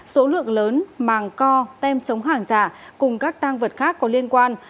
số lượng lớn màng co tem chống hàng giả cùng các tăng vật khác có liên quan